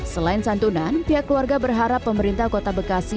selain santunan pihak keluarga berharap pemerintah kota bekasi